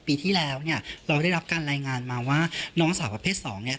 ปีที่แล้วเนี่ยเราได้รับการรายงานมาว่าน้องสาวประเภทสองเนี่ย